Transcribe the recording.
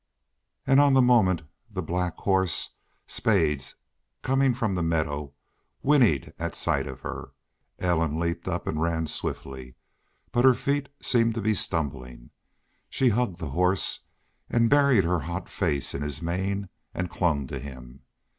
And on the moment the black horse, Spades, coming from the meadow, whinnied at sight of her. Ellen leaped up and ran swiftly, but her feet seemed to be stumbling. She hugged the horse and buried her hot face in his mane and clung to him.